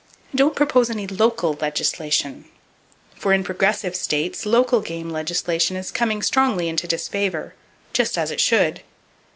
Don't propose any "local" legislation; for in progressive states, local game legislation is coming strongly into disfavor,—just as it should!